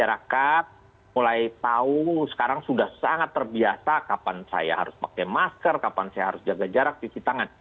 jadi masyarakat mulai tahu sekarang sudah sangat terbiasa kapan saya harus pakai masker kapan saya harus jaga jarak peterat tangan